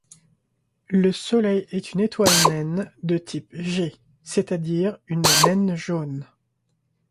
Le Soleil est une étoile naine de type G, c'est-à-dire une naine jaune.